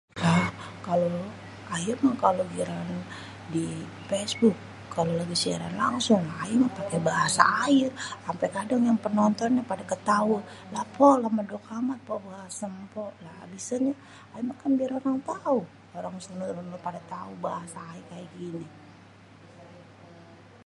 Lah kalo aye meh kalau giliran difesbuk kalau lagi siaran langsung aye meh pake bahasa aye ampe kadang yang penontonnya pade ketawe, lah mpok medok amat pok bahase mpok, lah abisnye aye meh kan biar orang tau biar semue orang pada tau bahasa aye kaya gini